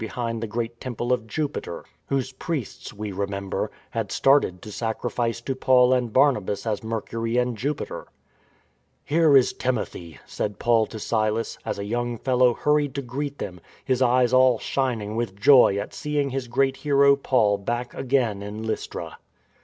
At length they came in sight of Lystra with the sun setting behind the great Temple of Jupiter, whose priests (we remember) had started to sacrifice to Paul and Barnabas as Mer cury and Jupiter. " Here is Timothy," said Paul to Silas, as a young fellow hurried to greet them, his eyes all shining with joy at seeing his great hero Paul back again in Lystra.